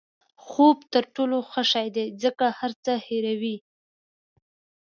خوب تر ټولو ښه شی دی ځکه هر څه هیروي.